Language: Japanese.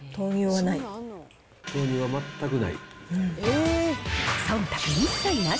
豆乳は全くない。